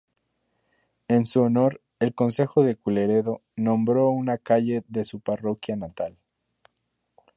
En su honor, el Consejo de Culleredo nombró una calle de su parroquia natal.